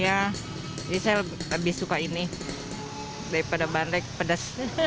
jadi saya lebih suka ini daripada bandrek pedas